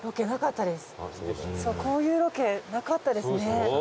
そうこういうロケなかったですね。